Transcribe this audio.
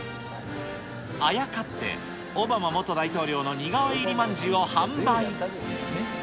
あやかって、オバマ元大統領の似顔絵入りまんじゅうを販売。